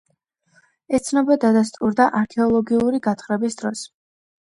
ეს ცნობა დადასტურდა არქეოლოგიური გათხრების დროს.